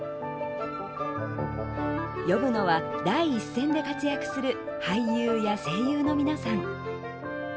読むのは、第一線で活躍する俳優や声優の皆さん。